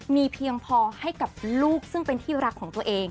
มีเพียงพอให้กับลูกซึ่งเป็นที่รักของตัวเอง